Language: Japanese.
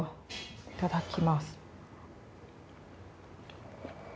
いただきます。